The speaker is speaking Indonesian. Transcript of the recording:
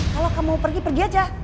kalau kamu pergi pergi aja